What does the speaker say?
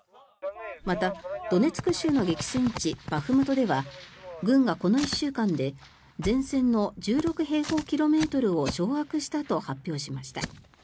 また、ドネツク州の激戦地バフムトでは軍がこの１週間で前線の１６平方キロメートルを掌握したと発表しました。